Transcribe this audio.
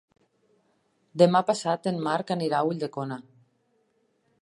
Demà passat en Marc anirà a Ulldecona.